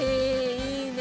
いいね！